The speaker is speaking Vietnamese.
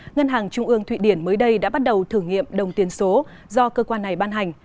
ngân hàng trung ương thụy điển mới đây đã bắt đầu thử nghiệm đồng tiền số do cơ quan này ban hành